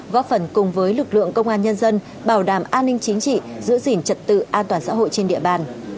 góp phần cùng với lực lượng công an nhân dân bảo đảm an ninh chính trị giữ gìn trật tự an toàn xã hội trên địa bàn